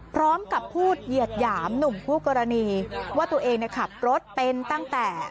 พร้อมกับพูดเหยียดหยามหนุ่มคู่กรณีว่าตัวเองขับรถเป็นตั้งแต่